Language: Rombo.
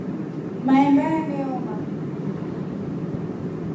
Mahemba yameoma.